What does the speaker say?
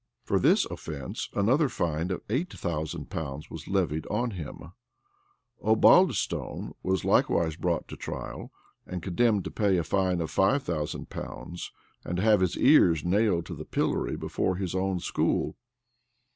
For this offence, another fine of eight thousand pounds was levied on him: Osbaldistone was likewise brought to trial, and condemned to pay a fine of five thousand pounds, and to have his ears nailed to the pillory before his own school.